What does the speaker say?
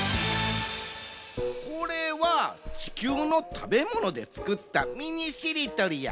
これは地球の食べ物でつくったミニしりとりや。